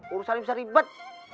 urusan lu bisa ribet